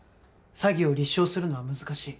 「詐欺を立証するのは難しい」